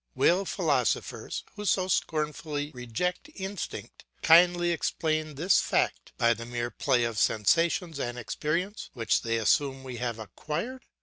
Will the philosophers, who so scornfully reject instinct, kindly explain this fact by the mere play of sensations and experience which they assume we have acquired?